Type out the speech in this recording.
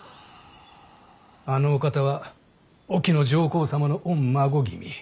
あのお方は隠岐の上皇様の御孫君。